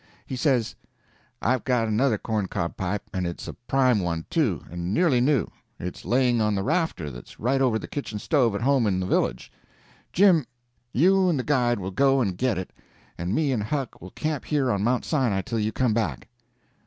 He says: "I've got another corn cob pipe, and it's a prime one, too, and nearly new. It's laying on the rafter that's right over the kitchen stove at home in the village. Jim, you and the guide will go and get it, and me and Huck will camp here on Mount Sinai till you come back."